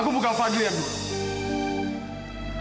aku bukan fadil yang buruk